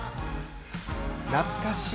懐かしい。